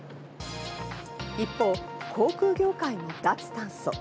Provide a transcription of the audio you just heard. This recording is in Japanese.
一方、航空業界の脱炭素。